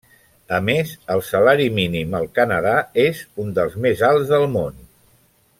A més, el salari mínim al Canadà és un dels més alts del món.